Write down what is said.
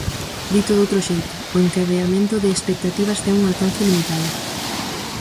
Dito doutro xeito, o encadeamento de expectativas ten un alcance limitado.